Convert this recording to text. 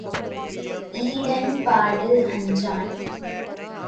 Eden பாடு அஞ்சான்?